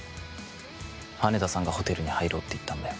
羽田さんがホテルに入ろうって言ったんだよ。